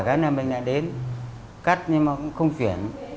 bán là mình lại đến cắt nhưng mà cũng không chuyển